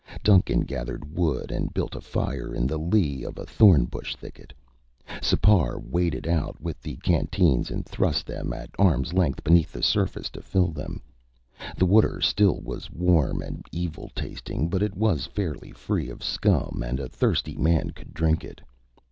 Duncan gathered wood and built a fire in the lee of a thorn bush thicket. Sipar waded out with the canteens and thrust them at arm's length beneath the surface to fill them. The water still was warm and evil tasting, but it was fairly free of scum and a thirsty man could drink it.